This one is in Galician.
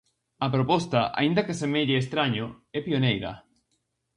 A proposta, aínda que semelle estraño, é pioneira.